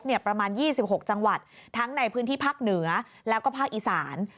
ประมาณ๒๖จังหวัดทั้งในพื้นที่ภาคเหนือแล้วก็ภาคอีสาน